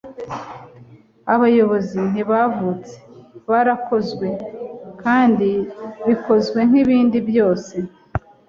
abayobozi ntibavutse, barakozwe. kandi bikozwe nkibindi byose